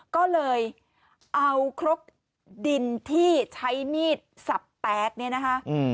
ก็เลยเอาครกดินที่ใช้มีดสับแตกเนี่ยนะคะ